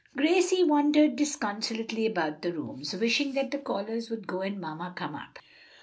Gracie wandered disconsolately about the rooms, wishing that the callers would go and mamma come up.